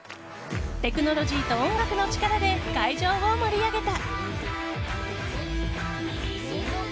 テクノロジーと音楽の力で会場を盛り上げた。